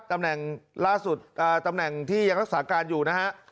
ตำแหน่งล่าสุดตำแหน่งที่ยังรักษาการอยู่นะฮะ